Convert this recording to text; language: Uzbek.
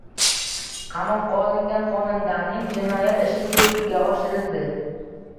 Qamoqqa olingan xonandaning jinoyat ishi sudga oshirildi